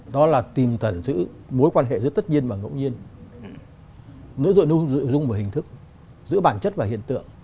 đó là tìm tẩn giữ mối quan hệ giữa tất nhiên và ngẫu nhiên nối dụng với hình thức giữa bản chất và hiện tượng